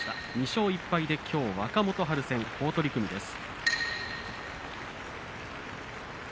２勝１敗で、きょう若元春戦好取組です。